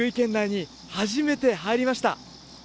福井県内に初めて入りました。